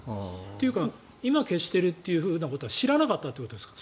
というか今消しているということは知らなかったということですか。